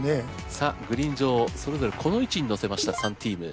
さあグリーン上それぞれこの位置に乗せました３チーム。